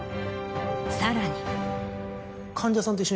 さらに。